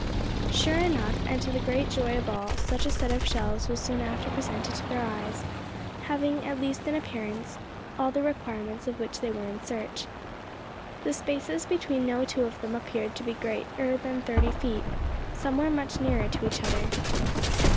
Sure enough, and to the great joy of all, such a set of shelves was soon after presented to their eyes having, at least in appearance, all the requirements of which they were in search. The spaces between no two of them appeared to be greater than thirty feet, some were much nearer to each other.